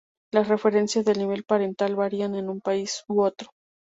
Las referencias de nivel parental varían en un país u otro.